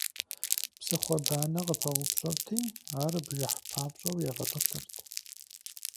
Псыхъуэ банэ къыпаупщӀырти, ар бжыхь папщӀэу ягъэтӀылъырт.